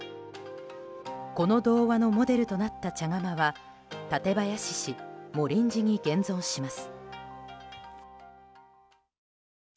この童話のモデルとなった茶釜は館林市の茂林寺に現存します。